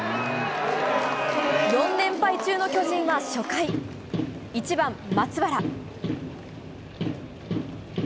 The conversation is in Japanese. ４連敗中の巨人は初回１番、松原。